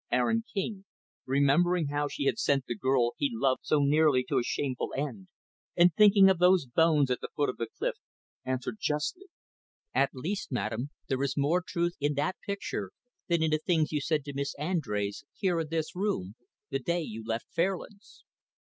Aaron King, remembering how she had sent the girl he loved so nearly to a shameful end, and thinking of those bones at the foot of the cliff, answered justly; "At least, madam, there is more truth in that picture than in the things you said to Miss Andrés, here in this room, the day you left Fairlands."